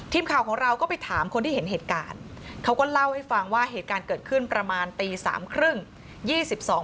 ทีมข่าวของเราก็ไปถามคนที่เห็นเหตุการณ์เขาก็เล่าให้ฟังว่าเหตุการณ์เกิดขึ้นประมาณตีสามครึ่ง